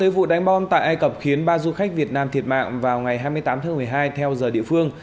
vụ đánh bom tại ai cập khiến ba du khách việt nam thiệt mạng vào ngày hai mươi tám tháng một mươi hai theo giờ địa phương